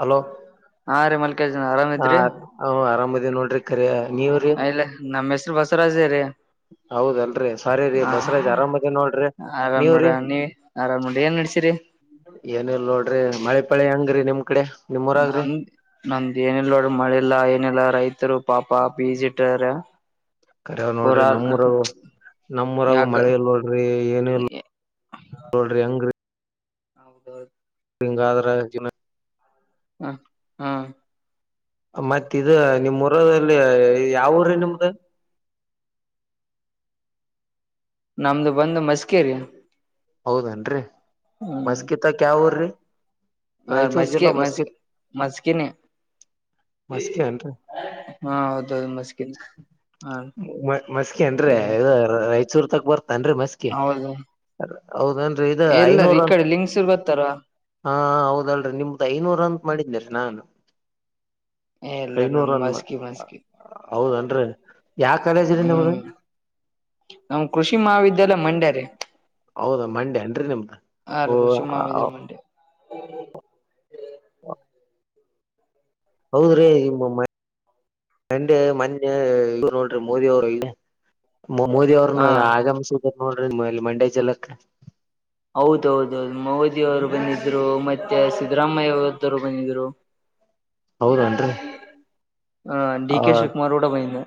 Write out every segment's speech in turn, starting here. Hello ಹಾರಿ ಮಾ [unintelligible] ಹ ಹ ಆರಾಮ ಅದಿವ ನೋಡ್ರಿ ಕರೆ ನೀವ್ರಿ ನಮ್ಮ್ ಹೆಸರು ಬಸವರಾಜ ರಿ ಹೌದಲ್ರರಿ ಸಾರಿ ರೀ ಹ ಬಸರಾಜ್ ಆರಾಮದಿ ನೋಡ್ರಿ ಆರಾಮ್ ನೊಡ ನೀವ್ರಿ ನೀ ಆರಾಮ್ ನೊಡಿ ಏನ್ ನಡ್ಸಿರಿ ಏನಿಲ್ಲ ನೋಡ್ರಿ ಮಳೆ ಪಳೆ ಹಂಗ್ರರಿ ನಿಮ್ ಕಡೆ ನಿಮ್ರಾಗ್ರಿ ನಂದ ನಮ್ದ ಏನಲ್ ನೋಡ್ರ ಮಳೆಲ್ಲಾ ಏನಿಲ್ಲಾ ರೈತರು ಪಾಪಾ ಪೀಜಿಟರ ಕರಿವ ನೋಡ್ರಿ ನಮ್ಮೂರಾಗ ನಮ್ಮೂರಾಗು ಯಾಕ ಮಳೆ ಇಲ್ ನೋಡ್ರಿ ಏನ ಇಲ್ಲ ನೋಡ್ರಿ ಹಂಗ್ರೀ ಹೌದೌದು ಹಿಂಗಾದ್ರ ಜೀವ ಹ ಹಾ ಮತ್ತ ಇದ ನಿಮ್ ಊರಲ್ಲಿ ಯಾವ ಊರ್ರೀ ನಿಮ್ದ ನಮ್ದು ಬಂದು ಮಸ್ಕಿ ಹೌದೇನ್ರಿ ಹ್ಮ್ ಮಸ್ಕಿತಕ್ ಯಾವ ಊರಿ ರಾಯಚೂರ್ ಜಿಲ್ಲಾ ಮಸ್ಕಿತ್ ಮಸ್ಕಿ ನೆ ಮಸ್ಕಿ ಏನ್ರರಿ ಹಾ ಹೌದೌದು ಮುಸ್ಕಿನ್ ಮ ಮಸ್ಕಿ ಅನ್ರಿ ರಾಯಚೂರ್ ತಕ್ ಬರ್ತನ್ರಿ ಮಸ್ಕಿ ಹೌದು ಅ ಹೌದೇನ್ರಿ ಇದ ಎಲ್ಲರಿ ಐನೂರ ಈ ಕಡೆ ಲಿಂಗ್ಸೂರ್ ಗೊತ್ತಾರ ಹಾ ಹೌದಲ್ರಿ ನಿಮ್ದ ಐನೂರ ಅಂತ್ ಮಾಡಿದಲರೀ ನಾನು ಇಲ್ಲಾ ನಮದು ಅನ್ ಮಸ್ಕಿ ಮಸ್ಕಿ ಹೌದನ್ರಿ ಯಾವ ಕಾಲೇಜ ರೀ ನಿಮ್ದ ಹ್ಮ್ ನಮ್ ಕೃಷಿ ಮಹಾವಿದ್ಯಾಲಯ ಮಂಡ್ಯ ರಿ ಹೌದಾ ಮಂಡ್ಯ ಅನ್ರಿ ನಿಮ್ದ ಓ ಮಂಡ್ಯ ಹ್ಮ ಹ ಹೌದ್ರಿ ನಿಮ್ಮ ಮಂಡ್ಯ ಮೋನ್ ಇವರು ನೋಡ್ರಿ ಮೋದಿ ಅವರು ಮೋದಿ ಅವ್ರನ್ನ ಹಾ ಆಗಮಿಸಿ ನೋಡ್ರಿಲ್ಲಿ ಮಂಡ್ಯ ಜಿಲ್ಲೆಕ್ಕ ಹೌದೌದೌದು ಮೋದಿಯ ಅವರು ಬಂದಿದ್ರು ಮತ್ತೆ ಸಿದ್ದರಾಮಯ್ಯ ಅವ್ರರು ಬಂದಿದ್ರು ಹೌದನ್ರಿ ಹ ಡಿ ಕೆ ಶಿವಕುಮಾರ್ ಗೂಡ ಬಂದಿದ್ರು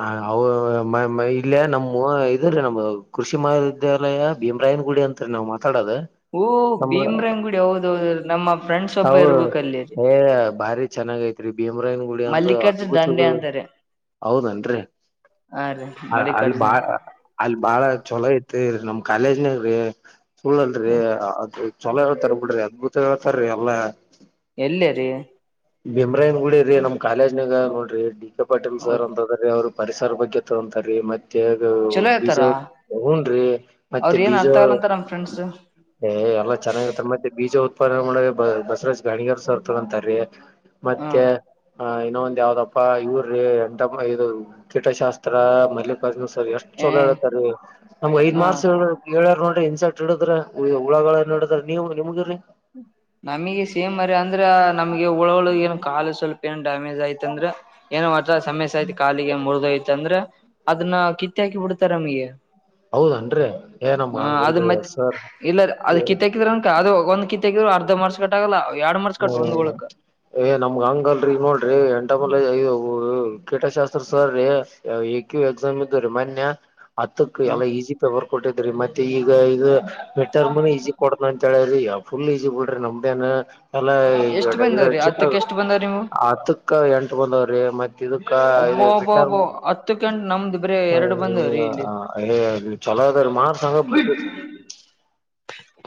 ಹ ಅವರು ಇಲ್ಲೇ ನಮ್ಮ ಇದ್ರೆ ನಮ್ಮ ಕೃಷಿ ಮಹಾವಿದ್ಯಾಲಯ ಭೀಮ್ರಾಯನ್ ಗುಡಿ ಅಂತ್ರಿ ನಾವ್ ಮಾತಾಡೋದು ಓ ಭೀಮ್ರಂಗುಡಿ ಹೌದೌದು [unintelligible] ನಮ್ಮ ಫ್ರೆಂಡ್ಸ್ ಒಬ್ಬ ಹೌದೌದು ಇರ್ಬೇಕ ಅಲ್ಲಿ ರೀ. ಎ ಭಾರಿ ಚೆನ್ನಾಗೈತಿ ಭೀಮರಾಯನ ಗುಡಿ ಅಂತ ಮಲ್ಲಿಕಾರ್ಜುನ್ ಅದ್ಭುತ ದಂಡೆ ಅಂತಾರೆ ಐತೆ ಹೌದನ್ರಿ ಹಾ ರೀ ಅಲ್ಲಿ ಮಲ್ಲಿಕಾರ್ಜುನ್ ಬಾಳ ಅಲ್ಲಿ ಬಾಳ ಹೊಲ ಐತೆರಿ ನಮ್ ಕಾಲೇಜ್ನಾಗೀ ಸೂಳ ಅಲರೀ ಅ ಚಲೋಹೆಳ್ತರ್ ಬಿಡ್ರಿ ಅದ್ಭುತ ಹೇಳ್ತಾರೀ ಎಲ್ಲ ಎಲ್ಲಿ ರೀ. ಭೀಮರಾಯನ ಗುಡಿರಿ ನಮ್ಮ ಕಾಲೇಜ್ನಗ ನೋಡ್ರಿ ಡಿ ಕೆ ಪಾಟೀಲ್ ಸರ್ ಹೌದು ಅಂತದ. ಅದೇ ಅವರು ಪರಿಸರ ಬಗ್ಗೆ ತೊಗೊಂತಾರಿ ಮತ್ತೆ ಚಲೋ [unintelligible] ಬೀಜ ಇರ್ತಾರ ಒಗುನ ಒಗುಣರಿ ಅವ್ರ ಮತ್ತೆ ಏನ್ ಬೀಜ. ಅರ್ಥ ಆಗಲ್ಲ ಅಂತ ನಮ್ ಫ್ರೆಂಡ್ಸ್ ಏ ಎಲ್ಲ ಚೆನ್ನಾಗಿತ್ತ ಮತ್ತೆ ಬೀಜ. ಪಾಠ ಮಾಡಗಾ ಬಸವರಾಜ್ ಗಾನಗ್ಯಾರ ಸರ್ ತಗೊಂತೀರಿ ಹಾ ಮತ್ತೆ. ಹ ಇನ್ನ ಒಂದ ಯಾವ್ದಪ್ಪಾ ಇವರೀ. ತಮ್ ಇದು ಕೀಟಶಾಸ್ತ್ರ ಮಲ್ಲಿಕಾರ್ಜುನ ಸರ್ ಎಷ್ಟ. ಏ ಚಲೋ ಹೇಳ್ತಾರಿ ನಮ್ಗ ಐದ ಹಾ ಮಾರ್ಸ ಹೇಳ. ಹೇಳ್ಯಾರ ನೋಡ್ರಿ ಇನ್ಸೆಟ್ ಹಿಡದ್ರ ಹೂ ಹುಳಗಳ ನೋಡಿದ್ರ ನೀವು ನಿಮಗರಿ. ನಮಗೆ ಸೇಮ್ ಮಾರಾಯ ಅಂದ್ರ ನಮಗೆ ಹುಳಗಳು ಏನ ಕಾಲಿಗ ಸ್ವಲ್ಪ. ಏನ ಡ್ಯಾಮೇಜ್ ಐತ ಅಂದ್ರ ಏನ ವಟ್ಟ ಸಮಸ್ಯೆ ಆಯತ ಕಾಲಿಗ ಮುರಿದೋಯ್ತ ಅಂದ್ರ. ಅದನ್ನ ಕಿತ್ತ ಹಾಕಿ ಬಿಡ್ತಾರ ನಮಗೆ. ಹೌದನ್ರಿ ಏ ನಮ್ಗ ಹ ಅದ ಹಂಗಲ್ರಿ ಮತ್ತೆ ಸರ್ ಇಲ್ಲಾರಿ ಅದ ಕಿತ್ತಾಕಿದಂದರ. [unintelligible] ಒಂದ ಕಿತ್ತಹಾಕಿದ್ರು ಅರ್ಧ ಮಾರ್ಸ್ ಕಟ್ಟಾಗಲ್ಲ ಎರಡ ಮಾರ್ಸ್ ಕಟ್ ಒಂದ್ಬಳಕ. ಏ ನಮ್ಗ ಹಂಗಲ್ಲರಿ ಈಗ ನೋಡ್ರಿ ಎಂಟಮಲ ಐ ಇವು ಕೀಟಶಾಸ್ತ್ರ ಸರ್ ರಿ. ಯ ಎ ಕ್ಯೂ ಎಕ್ಸಾಮ್ ಇದ್ದೂರಿ ಮನ್ಯ. ಹತ್ತಕ ಹ್ಮ್ ಎಲ್ಲ ಈಸಿ ಪೇಪರ್ ಕೊಟ್ಟಿದ್ರಿ ಮತ್ತೆ ಈಗ ಇದು ಮಿಡ್ ಟರ್ಮನು ಈಸಿ. ಕೊಡತನಂತ ಹೇಳ್ಯಾರಿ ಯ ಫುಲ್ ಈಜಿ ಬಿಡ್ರಿ ನಮ್ದೇನ. ಎಲ್ಲ ಈಗ ಎಷ್ಟ್ ಡೈಲಿ ಬಂದವ್ರಿ ಚಿತ್ರ ಹತ್ತಕ್ ಎಷ್ಟ್ ಬಂದವ್ರಿ ನೀವು ಹತ್ತಕ್ಕ ಎಂಟ ಬಂದವ್ರಿ ಮತ್ತ. ಇದಕ್ಕ ಒಬ್ಬ ಮಿಡ್ ಒಬ್ಬ ಒಬ್ಬ ಟರ್ಮ್ ಹತ್ತಕ್ಕಂಟ ನಮ್ದ್ ಬರೀ ಎರಡು ಬಂದವ್ರಿ ಇಲ್ಲಿ ಹ್ಮ್ ಏ ಯ. ಚಲೋ ಅದ ರಿ ಮಾರ್ಸ್ ಹಂಗ.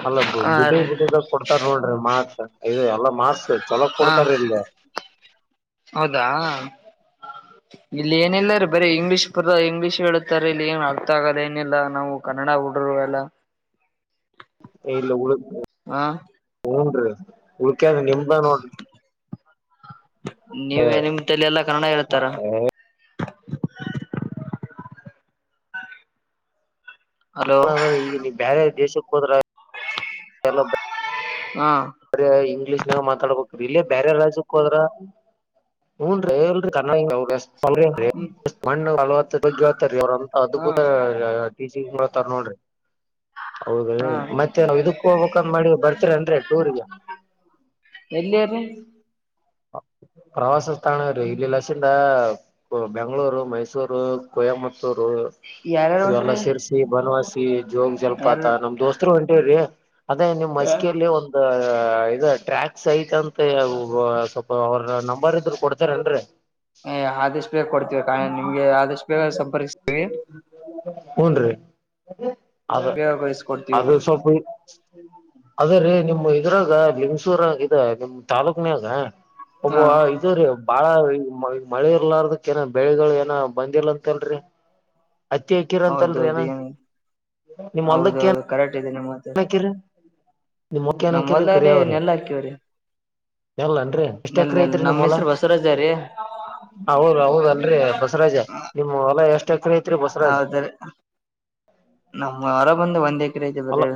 ಅಲ್ಲ ಬಿಡ್ ಹಾ ಬಿಟ್ಟಿದ ರೀ ಬಿಟ್ಟಿದ್ದ ಕೊಡ್ತಾರ ನೋಡ್ರಿ ಮಾರ್ಸ್ ಇದ ಎಲ್ಲ ಮಾರ್ಸ್. ಹಾ ಹೌದಾ. [inaudible] ಇಲ್ಲಿ ಏನಿಲ್ಲ ರೀ ಬರೀ ಇಂಗ್ಲೀಷ್ ಬ ಇಂಗ್ಲೀಷ್ ಹೇಳತಾರ ಇಲ್ಲಿ ಏನ್ ಅರ್ಥ ಆಗಲ್ಲ ಏನಿಲ್ಲ ನಾವು. ಕನ್ನಡ ಹುಡುರು ಎಲ್ಲ. [inaudible] ಇಲ್ಲ ಉಳ ಹ ಹನ್ರಿ ಉಳ್ಕ್ಯಾದ ನಿಮ್ದ ನೋಡ್ರಿ. ನೀವೇ ನಿಮ್ದತೆಲೆಯೆಲ್ಲ ಎಲ್ಲಾ ಕನ್ನಡ ಹೇಳ್ತಾರ. ಹಲೋ ಅಂದ್ರೆ ಈಗ ನೀ ಬ್ಯಾರೆ ದೇಶಕ್ಕೆ ಹೋದ್ರ ಎಲ್ಲ. ಹ. ಬರೇ ಇಂಗ್ಲೀಷ್ನಾಗ ಮಾತಾಡ್ಬೇಕ ಇಲ್ಲೇ ಬ್ಯಾರೆ ರಾಜ್ಯಕ್ಕ ಹೋದ್ರ. ಹೂನರಿ. ಹ್ಮ್ [unintelligible] [unintelligible] ಅವರ ಅಂತ ಹಾ ಅದ್ಭುತ. ಅ ಟೀಚಿಂಗ್ ಹೇಳ್ತಾರಾ ನೋಡ್ರಿ ಹೌದರಿ ಹಾ ಮತ್ತ. ನಾವು ಇದಕ ಹೋಗ್ಬೇಕ ಮಾಡೇವ ಬರ್ತೀರ ಏನ್ರಿ ಟೂರ್ಗೆ. ಎಲ್ಲರಿ. ಪ್ರವಾಸ ಸ್ಥಾಣ ರೀ ಇಲ್ಲಿ ಲಸಿಂದ. ಇವ ಬೆಂಗಳೂರು, ಮೈಸೂರು, ಕೊಯಮತ್ತೂರು. ಯಾರ್ಯಾರು ಇವೆಲ್ಲಾ ಹೊಂಟ್ರಿ ಶಿರಸಿ, ಬನವಾಸಿ, ಜೋಗ ಜಲಪಾತ ಯಾರು ನಮ್ಮ ದೋಸ್ತರ ಹೊಂಟಿವ್ರಿ. ಅದೇ ನಿಮ್ಮ ಮಸ್ಕಿಯಲ್ಲಿ ಒಂದ ಇದ ಟ್ರ್ಯಾಕ್ಸ್ ಐತ ಅಂತ ಸ್ವಲ್ಪ. ಅವ್ರ ನಂಬರ ಇದ್ರ ಕೊಡ್ತೀರ ಏನ್ರಿ. ಏ ಆದಷ್ಟ ಬೇಗ ಕೊಡ್ತೀವಿ ಕ ನಿಮ್ಗೆ ಆದಷ್ಟ ಬೇಗ ಸಂಪರ್ಕಿಸ್ತೀವಿ. ಹುಣರಿ ಅದ ಬೇಗ ಕಳಿಸ್ಕೊಡ್ತೀವಿ ಅದ ಸ್ವಲ್ಪ. ಅದೇ ರೀ ನಿಮ್ ಇದ್ರಾಗ ಬಿಮ್ಸೂರ ನಿಮ್ ತಾಲೂಕ್ನಾಗ ಒಬ್ಬ ಹಾ ಇದು ರಿ ಬಾಳ ಈ ಮಳೆ ಇರ್ಲಾರದಕ್ ಏನ ಬೆಳೆಗಳು ಏನ ಬಂದಿಲ್ಲ ಅಂತಲ್ರಿ ಹತ್ತಿ ಅಕ್ಕಿರ ಅಂತಲ್ರರಿ ಹೌದೌದು ಏನ ಏನ್ ನಿಮ್ಮೊಲ್ಲಕ್ಕ ಏನ್ ಹೌದೌದು ಕರೆಕ್ಟ್ ಇದೆ ನಿಮ್ಮ ನಿಮ್ ಮಖ್ಯನ ಹಾಕಿರಿ ಹೊಲ್ದಾಗ್ರಿ ಕರಿಯಾವ್ರಿ ನೆಲ್ ನೆಲ್ಲನ್ರಿ ನನ್ ನಮ್ಮ ಹೆಸರು ಬಸವರಾಜ ರೀ ಹೌದ ಹೌದ ಅಲ್ರೀ ಬಸರಾಜ ನಿಮ್ ಹೊಲ ಎಷ್ಟ ಎಕರಿ ಐತ್ರಿ ಬಸರಾಜ್ ಸರಿ ನಮ್ಮ್ ಹೊಲಾ ಬಂದ ಒಂದ್ ಎಕರೆ ಐತೆ ಬರೇ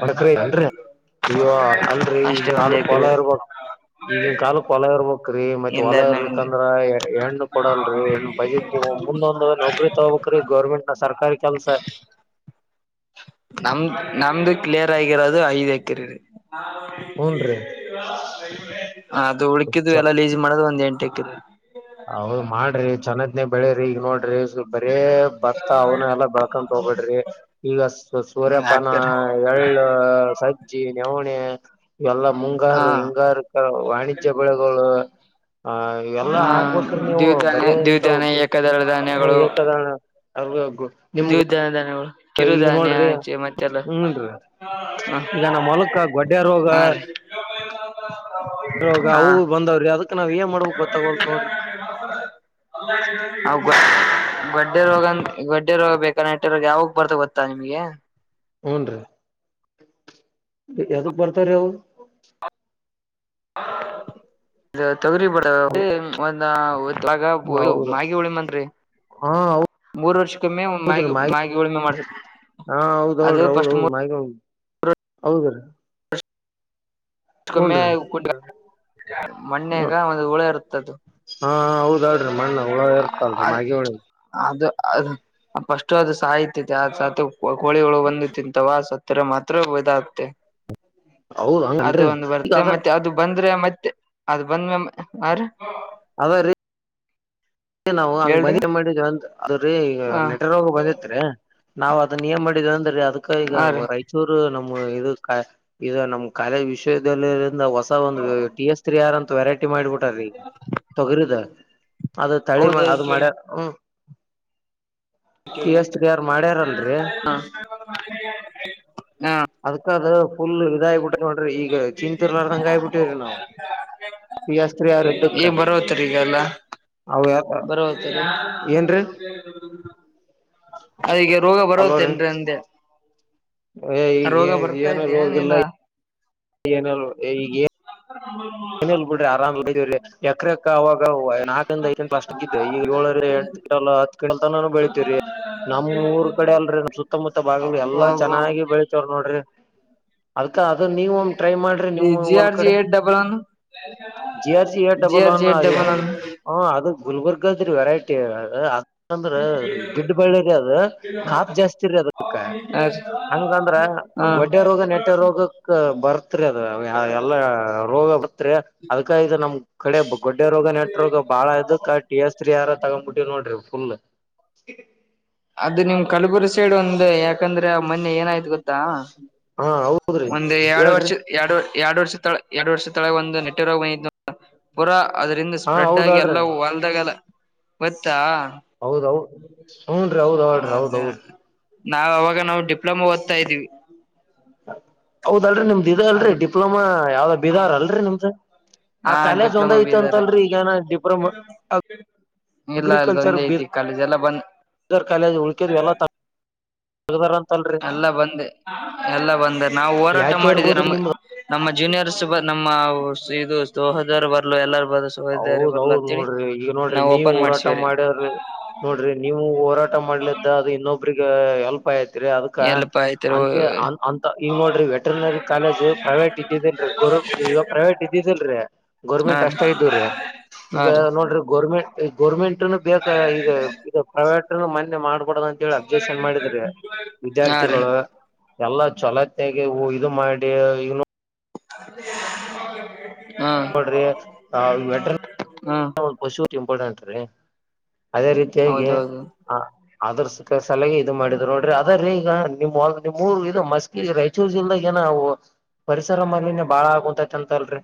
ಮಡಕರಿ ಅಲ್ರಿ ಅಯ್ಯೋ ಅಲ್ರರಿ ಅಷ್ಟೇ ಈಗ ಒಂದ್ ಹೋಲ್ ಎಕರೆ ಹೊಲಾ ಇರ್ಬೇಕ ಈಗಿನ್ ಕಾಲಕ್ ಹೊಲ ಇರ್ಬೇಕರೀ ಮತ್ತೆ ಇಲ್ಲ ಹೊಲ ನಮ್ ಇರ್ಲಿಕ್ ಅಂದ್ರ ಹೆಣ್ಣು ಕೊಡಲ್ರಿ ಹೆಣ್ಣ ಪಜೀತಿ ನೀವು ಮುಂದೊಂದ್ ನೌಕ್ರಿ ನೌಕ್ರಿ ಗೌರ್ಮೆಂಟ್ ಸರ್ಕಾರಿ ಕೆಲ್ಸ ನಮ್ದ ನಮ್ದು ಕ್ಲಿಯರ್ ಆಗಿರೋದು ಐದು ಎಕ್ರೆರಿ ಹೂನ್ರಿ ಅದು ಉಳಕಿದು ಎಲ್ಲ ಲೀಸಿ ಮಾಡುಧ್ರೆ ಒಂದ್ ಎಂಟ ಎಕ್ರಿ ಅವ್ ಮಾಡ್ರಿ ಚೆನ್ನದ್ನೇ ಬೆಳಿರಿ ಈಗ ನೋಡ್ರಿ ಸ್ವಲ್ಪ ಬರೇ ಭತ್ತ ಅವನ ಎಲ್ಲ ಬೆಳ್ಕ ಹೋಗ್ಬಿಡ್ರಿ ಈಗ ಸೂರ್ಯಪಾನಾ ಹಾಕ್ತಾರ ನೆಳ್ಳು, ಸಜ್ಜಿ, ನೆವಣೆ ಇವೆಲ್ಲಾ ಹ ಮುಂಗಾರು, ಹಿಂಗಾರ ವಾಣಿಜ್ಯ ಬೆಳೆಗಳು ಆ ಇವೆಲ್ಲಾ ಹ ಹಾ ಹೋಕರಿ ನೀವು ದ್ವಿಧಾನ್ಯ ಬರೀ ಇಂತವ ದ್ವಿಧಾನ್ಯ ಏಕದಳ ಏಕದಳ ದಿವದಾನ್ಯಗಳು ಈಗ ನೋಡ್ರಿ ಹ್ಮನ್ರಿ ಈಗ ನಮ್ಮ್ ಹೊಲಕ ಗೊಡ್ಡ್ಯ ರೋಗ ಹಾ ರೀ ಹಾ ಅವು ಬಂದಾವ್ರ ಅದಕ್ ನಾವ ಏನ್ ಮಾಡ್ಬೇಕ್ ಗೊತ್ತಾಗೋಲ್ದ ನೋಡ್ರಿ [unintelligible] ಗೊಡ್ಡೆ ರೋಗ ಗೊಡ್ಡಿ ರೋಗ [unintelligible] [unintelligible] ಯಾವಾಗ ಬರ್ತ ಗೊತ್ತಾ ನಿಮಗೆ ಹೂನ್ರಿ ಎದಕ್ ಬರ್ತಾವ್ರೀ ಅವವು [unintelligible] ತೊಗ್ರಿ ಬೇಡ ಅಲ್ಲ ಒಂದಾಗ [unintelligible] ಹೌದು ಉಳಿ ಬನ್ರಿ ಹಾ ಮೂರ್ ವರ್ಷ ಕಮ್ಮೆ ಮ್ಯಾ ಹೌದ್ರಿ ಮಾ ಮ್ಯಾಗಿ ಉಳಮೆ ಮಾಡ್ಸು ಹಾ ಹೌದ್ದ್ರಿ ಹೌದ್ ಹೌದು ಮ್ಯಾಗಿ ಹೌದು ಹೌದ್ರೀ ಕಮ್ಮೆ ಕುಟರ ಮಣ್ಣ್ಯಾಗ ಒಂದು ಹುಳ ಇರುತ್ತದು ಹಾ ಹೌದಾಡ್ರಿ ಮಣ್ಣ ಹುಳ ಇರ್ತಲ್ರಿ ಮಾಗಿ ಹುಳಾ ಅದು ಅದು ಪಸ್ಟ ಅದು ಸಾಯತಿತೆ ಸತ್ ಆ ಕೊಳಿ ಹುಳ ಬಂದಿ ತಿಂತವ ತರ ಮಾತ್ರ [unintelligible] ಹೌದ್ ಅದು ಹಂಗನ್ರಿ ಒಂದು ಈಗ ಬರುತ್ತೆ ಅದ ಮತ್ತೆ ಅದು ಬಂದ್ರೆ ಮತ್ತೆ ಅದ್ ಬಂದ ಮ್ಯಾಗ ಆ್ರ [unintelligible] ನಾವು ಹಂಗ್ ಹೇಳ್ರಿ ಬಂದಿ ಮಾಡಿದ ಅದ್ರೀ ಹ ನೆಟರೊಗ ಬಂದಿ ನಾವ್ ಅದನ್ನ ಏನ್ ಮಾಡಿದೇವ ಅಂದ್ರೀ ಅದಕ್ಕ ಈಗ ಹಾ ರೀ ಚುರು ನಮ್ಮ್ ಇದು ಇದು ನಮ್ಮ್ ಕಾರ್ಯ ವಿಶ್ವವಿದ್ಯಾಲಯದಿಂದ ಹೊಸ ಒಂದು ಟಿ ಎಸ್ ತ್ರಿ ಯಾರಂತ ವೆರೈಟಿ ಮಾಡಿಬಿಟ್ರೀ ತೊಗರಿದ ಅದು ತಳಿ ಮ ಹೌದೌದು ಅದು ಕೇಳಿ ಮಾಡ್ಯಾರ ಹ್ಮ ತ್ರಿ ಆರ್ [unintelligible] ಮಾಡ್ಯಾರಲ್ರರಿ [unintelligible] [unintelligible] ಅದಕದ ಫುಲ್ ಇದಾಯಬಿಟ್ಟ ನೋಡ್ರಿ ಈಗ ಚೀಂತರ್ಲಾರದಂಗ ಆಗ್ಯಬಿಟ್ಟವ್ರಿ ನಾವು ಪಿ ಎಸ್ ತ್ರಿ ಆರ್ ಇದ್ದಕ್ಕ [unintelligible] ಬರೋತರಿಗಲ್ಲಾ ಅವ ಬರವತದು ಏನ್ರೀ [unintelligible] ಅದೆ ಈಗ ರೋಗ ಅಲೋರಿ ಬರತ್ತೇನೆನಂದೆ ರೋಗ ಈಗ ಬರ್ತಾ ಏನು ಇದ್ಯಾ ರೋಗಿಲ್ಲ ನೀನ್ [unintelligible] ಈಗ ಏನ್ [unintelligible] [unintelligible] ಏನಲ್ ಬಿಡ್ರಿ ಆರಾಮ್ ಇದ್ರರಿ ಎಕ್ರ ಎಕ್ಕ ಅವಾಗ ನಾಲ್ಕಂದ ಐದ [unintelligible] ಅಷ್ಟಕ್ಕ ಇದ್ರ ಈಗ ಏ [unintelligible] [unintelligible] [unintelligible] ಲ್ಲ ಅದ್ ಕಂತಾ ನಾನು ಬೆಳಿತಿರಿ ನಮ್ ಊರ್ ಕಡೆ ಅಲ್ರಿ ನಮ್ ಸುತ್ತಮುತ್ತ ಭಾಗಲಿ ಎಲ್ಲಾ ಚೆನ್ನಾಗಿ ಬೆಳಿತವ್ರ ನೋಡ್ರಿ ಅದಕ ಅದು ನೀವು ಒಂದ್ ಟ್ರೈ ಮಾಡಿ ಈ G R G eight double one G R C eight G double R G one eight ಅದು ಡಬಲ್ ಹೆಂಗ್ ಒನ್ ಹ ಅದು ಗುಲ್ಬರ್ಗದ್ರೆ ವೆರೈಟಿ ಅಲ್ಲ [unintelligible] ಅಂದ್ರ ಗಿಡ್ ಬಳ್ಳಿರಿ ಅದ್ರ ಕಾಪ್ ಜಾಸ್ತಿರಿ ಅದಕ್ಕ ಆ [unintelligible] ಹಂಗಂದ್ರ ಎಂಗ ಗೊಡ್ಡೆ ರೋಗ ನೆಟ್ಟೆ ರೋಗ ಬರ್ತ್ರಿ ಅದ ಎಲ್ಲ ರೋಗ ಬರ್ತ್ರಿ ಅದ್ಕಾಯ ಇದು ನಮ್ ಕಡೆ ಗೊಡ್ಡೆ ರೋಗ ನೆಟ್ ರೋಗ ಬಾಳ ಇದಕ್ ಟಿ ಎಸ್ ತ್ರರಿ ಯಾರ ತಗೊಂಡ್ಬಿಟ್ಟಿವ್ ನೋಡ್ರಿ ಫುಲ್ ಅದು ನಿಮ್ ಕಲಬುರ ಸೈಡ್ ಒಂದು ಯಾಕಂದ್ರೆ ಆ ಮೊನ್ನೆ ಏನಾಯ್ತು ಗೊತ್ತಾ ಹಾ ಹೌದ್ರಿ ಒಂದ ಎರಡು ಹೇಳ್ರಿ ವರ್ಷ ಎರಡು ಎರಡು ವರ್ಷ ತ ಎರಡು ವರ್ಷ ತಳ ಒಂದು ನೆಟ್ [unintelligible] [unintelligible] ಪೂರಾ ಅದರಿಂದ ಹಾ ಸ್ಪ್ರೆಡ್ ಆಗಿ ಹೌದಳ್ರಿ ಎಲ್ಲೂ ಹೊಲ್ದಾಗೆಲ್ಲ ಗೊತ್ತ ಹೌದೌದು ಹುಂದ್ರಿ ಹ ಅದೇ ನಾವು ಅವಾಗ ನಾವು ಡಿಪ್ಲೊಮಾ ಓದ್ತಾ ಇದ್ದೀವಿ ಹೌದಲ್ರರಿ ನಿಮ್ದ ಇದ ಅಲ್ರರಿ ಅದು ಡಿಪ್ಲೊಮಾ ಯಾವ್ದ ಬಿದಾರ ಅಲ್ರರಿ ನಿಮ್ದ ಆ ಹಾ ಕಾಲೇಜ್ ಒಂದ ಡಿಪ್ಲೊಮಾ ಬೀದರ್ ಐತ್ಂತಲ್ರರಿ ಈಗಾನ ಡಿಪ್ರೊಮ [unintelligible] ಇಲ್ಲ ಇಲ್ಲ ಒಂದೇ ಐತಿ ಕಾಲೇಜ್ ಎಲ್ಲ ಬಂದ್ [unintelligible] ಜರ ಕಾ [unintelligible] ಉಳಕ ವಲ್ಲ ಹದ ಅಂತಲ್ರಿ ಎಲ್ಲ ಬಂದ ಎಲ್ಲ ಬಂದ ನಾವು ಹೋರಾಟ ಯಾಕೆ ಮಾಡಿದ್ದೇ ಇರ್ಬೋದ್ರಿ ನಮಗೆ ನಿಮ್ದ ನಮ್ಮ ಜೂನಿಯರ್ಸ್ ಬ ನಮ್ಮ ಇದು ಸೋಹದರ್ ಬರ್ಲು ಎಲ್ಲಾರ ಬ ಹೌದೌದು ದ್ ನೋಡ್ರಿ ಈಗ ನೋಡ್ರಿ ನೀವ್ ಓಪನ್ ಹೋರಾಟ ಮಾಡ್ಸವ್ರಿ ಮಾಡ್ಯವ್ರಿ ನೋಡ್ರಿ ನೀವು ಹೋರಾಟ ಮಾಡ್ಲಿದ್ದ ಅದು ಇನ್ನೊಬ್ರಿಗೆ ಹೆಲ್ಪ್ ಆಯ್ತ್ ಅದಕ್ಕ ಎಲ್ಲಪಾ ಆಯ್ತರ ಅಂತ ಅಂತ ಈಗ ನೋಡ್ರಿ ವೆಟ್ರನರಿ ಕಾಲೇಜ್ ಪ್ರೈವೇಟ್ ಇದೇನ್ರಿ ಗರ್ ಈಗ ಪ್ರೈವೇಟ್ ಇದ್ದಿದ್ದಿಲ್ರರಿ ಹಾ ಗೌರ್ಮೆಂಟ್ ಅಷ್ಟ ಇದ್ದು ಹಾ ಈಗ ರೀ ನೋಡ್ರಿ ಗೋರ್ಮೆಂಟ್ ಗೋರ್ಮೆಂಟ್ನು ಬೇಕ ಈಗ [unintelligible] ಪ್ರೈವೇಟ್ನು ಮೊನ್ನೆ ಮಾಡಿಕೊಡಲ ಅಂತ ಹೇಳಿ ಅಬ್ಜೆಷನ್ ಮಾಡಿದ್ರಿ ಹಾ ರೀ ವಿದ್ಯಾರ್ಥಿಗಳು ಎಲ್ಲಾ ಚಛಲತೆಗೆ ಇದು ಮಾಡಿ ಇ ಅ [unintelligible] [unintelligible] [unintelligible] ವೇಟರ್ನಾರೀ ಹಾ ಪಶು ಇಂಪಾರ್ಟೆಂಟ್ ರೀ ಅದೇ ರೀತಿಯಾಗಿ ಹೌದೌದು ಅದ್ರ ಸಲ ಇದು ಮಾಡಿದ್ರು ನೋಡ್ರಿ ಅದ್ರೀ ಈಗ ನಿಮ್ ನಿಮ್ಮ್ರು ಇ ಮಸ್ ಚ್ಯುಸಿಂದ ಏನೋ ಪರಿಸರ ಮಾಲಿನ್ಯ ಬಾಳ ಆಗುತಂತೈತಲ್ರಿ.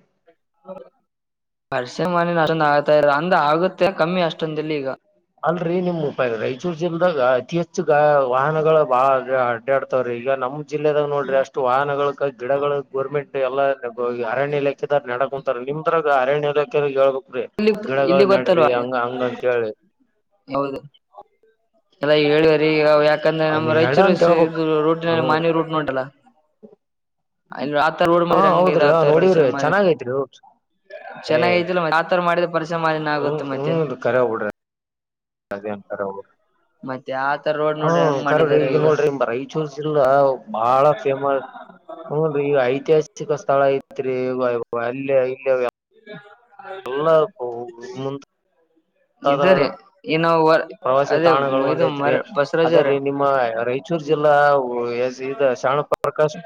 ಹಲ್ಸಿನ್ [unintelligible] ಆಗ್ತಾ ಹಂಗಾಗುತ್ತೆ ಕಮ್ಮಿ ಅಷ್ಟೊಂದಲ್ಲಿಗ ಅಲ್ರರಿ ನಿಮ್ ಉಪಾಯ ರಾಯಚೂರು ಜಲ್ದಾಗ ಅತಿ ಹೆಚ್ಚು ಗ ವಾಹನಗಳ ಬಾ ನೆಡ್ತಾವ್ರಿ ಈಗ ನಮ್ ಜಿಲ್ಲೆದಾಗ ನೋಡ್ರಿ ಅಷ್ಟು ವಾಹನಗಳ್ಕ ಗಿಡಗಳು. ಗೋರ್ಮೆಂಟ್ ಎಲ್ಲ ಅರಣ್ಯ ಇಲಾಕೆದಾರ್ ನೆಡಕುಂತಾರೆ ನಿಮ್ದ್ರಾಗ ಅರಣ್ಯ ಇಲಾಖೆದೊರ್ಗೇಳ್ಬೇಕು. ರಿ ಇಲ್ಲಿ ಗಿಡಗಳ್ ಇಲ್ಲಿ ನೆಡ್ರಿ ಗೊತ್ತಲ್ವಾ ಹಂಗ ಹಂಗಂತ್ ಹೇಳಿ. ಹೌದು ಅಲ್ಲ ಹೇಳು ಈಗ ಯಾಕಂದ್ರೆ ಅ ನಮ್ ನೀ ನಡ ರೈಚೂರು ಅಂತ ಈ ಹೇಳ್ಬಕ್ ರೂಟಿನ ಹ ಮಾನ್ಯ ರೂಟ್ ನ ಉಂಟಲ್ಲ. ಅಲ್ಲಿ ಹಾ ಹೌದ್ರಿ ಹಾಕ್ತಾರ ನೋಡಿವ್ರಿ [unintelligible] ಚೆನ್ನಾಗೈತ್ರಿ ಏ ಚನ್ನಯಿದ್ ಮಾಡಿದೆ ಪರಿಸರ್ ಮಾಲಿನ್ಯ ಹ್ಮ್ ಆಗುತ್ತೆ ಮತ್ತೆ. [unintelligible] ಮತ್ತೆ ಆತರ ರೋಡ್ ಹ ನೋಡ್ರಿ ಹೆಂಗ್ ಕರ್ದು ಮಾಡಿದ್ದಾರೆ ಈಗ ನೋಡ್ರಿ ಬರ್ [unintelligible] ಬಹಳ ಫೇಮಸ್ ಹೌದು ಈಗ ಐತಿಹಾಸಿಕ ಸ್ಥಳ ಐತ್ರಿ ಅಲ್ಲಿ ಇಲ್ಲ ಮುಂತಾದ ಇದೇರಿ ಏನು ಪ್ರವಾಸಿ ತಾಣಗಳು ಒಂದೖತ್ರಿ ಅದೆ ಅವ್ರೆ ರಿ ನಿಮ್ಮ ರೈ ರಾಯಚೂರು ಜಿಲ್ಲಾ ಇದ ಶಾಣು ಪ್ರಕಾಶ್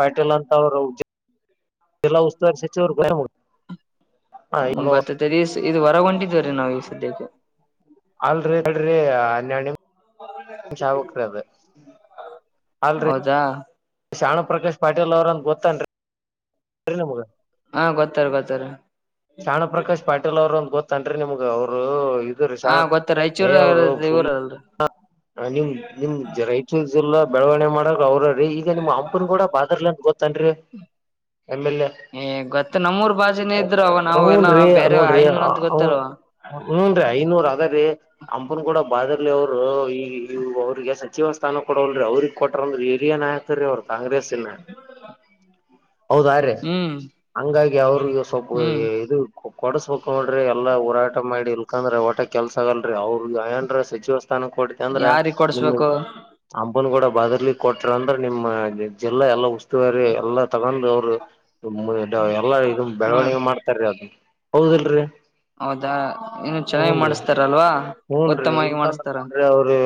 ಪಾಟೀಲ್ ಅಂತ ಅವರು ಜಿಲ್ಲಾ ಉಸ್ತುವಾರಿ ಸಚಿವರು ಹಲೋ ಹ್ಮ್ [unintelligible] ಇದು ಹೊರಗ ಹೊಂಟಿದೇವ ರೀ ನಾವು ಈ ಸದ್ಯಕ್ಕೆ. ಅಲ್ರಿ ಬಿಡ್ರಿ [unintelligible] ಅಲ್ರಿ ಜಾ ಶಾಣು ಪ್ರಕಾಶ್ ಪಾಟೀಲ್ ಅವ್ರ ಅಂತ ಗೊತ್ತನ್ರಿ [inaudible] ರಿ ನಿಮ್ಗೆ. ಹಾ ಗೊತ್ತಾರ ಗೊತ್ತಾರ. ಶಾಣು ಪ್ರಕಾಶ್ ಪಾಟೀಲ್ ಅವ್ರು ಅಂದ್ರ ಗೊತ್ತನ್ರಿ ನಿಮ್ಗ ಅವ್ರು ಹಾ ಗೊತ್ತ ರೀ ರಾಯಚೂರ್ ಅವರು ಇವ್ರ ಫುಲ್ ಅಲ್ರಿ [unintelligible] ಹ ನಿಮ್ ನಿಮ್ ರೈಚೂರ್ ಜಿಲ್ಲಾ ಬೆಳವಣ್ಗ ಮಾಡೋರ್ ಅವ್ರೆ. ರೀ ಈಗ ನಿಮ್ಮ ಅಂಪನ್ ಗೌಡ ಬಾದಾರ್ಲ ಅಂತ ಗೊತ್ತನ್ರಿ ಎಮ್ ಎಲ್ ಎ. ಏ ಗೊತ್ತು ನಮ್ಮೂರ್ ಭಾಷೆ ಇದ್ರು ಅವ ನಾವು ಹೂನ್ ಎಲ್ಲಾ ನಾವು ಬೇರೆ ಐನೋರು ಅಂತ ಗೊತ್ತಲ್ವ. ಹ್ಮೂ ರೀ ಐನೋರ್ ಅದೆ ರೀ. ಅಂಬುನ್ ಗೌಡ ಬಾದರ್ಲಿ ಅವ್ರು ಈ ಅವ್ರಿಗೆ ಸಚಿವ ಸ್ಥಾನ ಕೂಡಲ್ರಿ ಅವ್ರಿಗೆ ಕೊಟ್ಟರಂದ್ರ ಹಿರಿಯ ನಾಯಕ. [unintelligible] ಅವ್ರ ಕಾಂಗ್ರೆಸ್ ಇಲ್ಲ, ಹೌದಾರಿ ಹ್ಮ್ ಹಂಗಾಗಿ ಅವ್ರಗೆ ಸ್ವಲ್ಪ ಓ ಹ್ಮ್ ಏ ಇದು ಕೊಡಸ್ಬೇಕ್ ನೋಡ್ರಿ ಎಲ್ಲಾ ಹೋರಾಟ ಮಾಡಿ ಇಲ್ಕಂದ್ರೆ ಓಟೆ ಕೆಲ್ಸ ಆಗಲ್ರರಿ ಅವ್ರರು ಏನ್ರ ಸಚಿವ ಸ್ಥಾನಕ್ಕೆ ಕೊಡಿ ಯಂದ್ರ ಯಾರಿಗ್ ನಿ ಕೊಡ್ಸ್ಬೇಕು ಅಂಬನ್ ಗೌಡ ಬಾದರ್ಲಿ ಕೊಟ್ರ ಅಂದ್ರ ನಿಮ್ಮ ಜಿಲ್ಲಾ ಎಲ್ಲಾ ಉಸ್ತುವಾರಿ ಎಲ್ಲಾ ತಗೊಂಡ್ ಅವ್ರು [unintelligible] ಎಲ್ಲ ಇದು ಹ್ಮ್ ಬೆಳವಣಿಗೆ ಮಾಡ್ತಾರೀ ಅದು ಹೌದಲ್ರೀ. ಹೌದಾ ಇನ್ನು ಚೆನ್ನಾಗಿ ಹ್ನ್ ರೀ ಮಾಡಿಸತಾರಲ್ವಾ ಹ್ಞನ್ ರೀ ಉತ್ತಮವಾಗಿ ಇಲ್ಕ ಮಾಡಿಸ್ತಾರ [unintelligible] ಅವ್ರಿ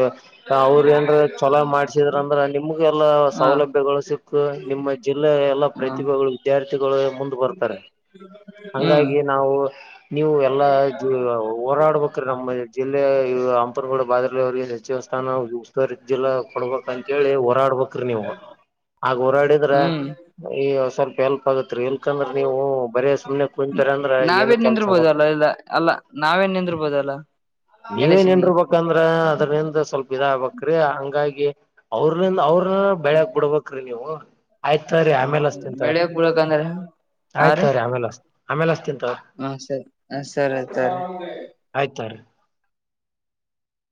ಅವ್ರ್ ಏನ್ರಿ ಚಲೋ ಮಾಡ್ಸಿದ್ರ ಅಂದ್ರ ನಿಮ್ಗೆ ಎಲ್ಲ ಹಾ ಸೌಲಭ್ಯಗಳು ಸಿಕ್ಕು ನಿಮ್ಮ ಜಿಲ್ಲೆ ಎಲ್ಲಾ ಹ ಪ್ರತಿಭೆಗಳು ವಿದ್ಯಾರ್ಥಿಗಳು ಮುಂದೆ ಬರ್ತಾರೆ. ಹ್ಮ ಹಂಗಾಗಿ ನಾವು ನೀವು ಎಲ್ಲಾ ಹೋರಾಡ್ಬೇಕ್ರೀ ನಮ್ಮ ಜಿಲ್ಲೆಯ ಹಂಪನಗೋಡ ಬಾದ್ರಲ ಅವ್ರ ಏನ್ ಸಚಿವ ಸ್ಥಾನ ಜಿಲ್ಲ ಕೊಡ್ಬೇಕ್ ಅಂತ ಹೇಳಿ ಹೋರಾಡ್ಬೇಕ್ರಿ ನೀವು ಹಾಗ್ ಹೋರಾಡಿದ್ರ ಹ್ಮ್ ಈಗ ಸ್ವಲ್ಪ ಹೆಲ್ಪ್ ಆಗತ್ರಿ ಎನ್ಕಂದ್ರೆ ನೀವು ಬರೇ ಸುಮ್ನೆ ಕುಂತರ ಅಂದ್ರ ಏನ್ ನಾವೇ ಕೆಲ್ಸ ಆಗಲ್ ನಿಂದ್ರ್ಬೋದಲ್ಲ ಇಲ್ಲ ಅಲ್ಲ ನಾವೇ ನಿಂದ್ರ್ಬೋದಲ್ಲ. ನೀವೇನ್ರ ಅದರಿಂದ ಸ್ವಲ್ಪ ಇದಾಗಬೇಕ್ರಿ ಹಂಗಾಗಿ ಅವ್ರ ನಿಂದ ಅವ್ರ ಬೆಳಕ್ ಬಿಡ್ಬೇಕ್ರೀ ನೀವು ಆಯ್ತಾವ್ರೀ ಆಮೇಲೆ ಅಷ್ಟ ತಿಂತ್ರೀ ಗುಳಕಂದ ರೀ ಆಮೇ ಆಮೇಲೆ ಅಸ್ತಿಂತ ಹಾ ಸರಿ ಹ ಸರಿ ಸರಿ ಆಯ್ತ ರೀ